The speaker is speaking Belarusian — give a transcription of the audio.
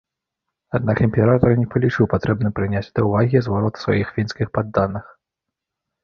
Аднак імператар не палічыў патрэбным прыняць да ўвагі зварот сваіх фінскіх падданых.